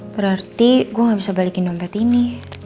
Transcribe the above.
berarti gue gak bisa balikin dompet ini